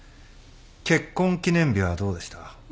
結婚記念日はどうでした？